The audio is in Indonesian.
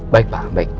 baik pak baik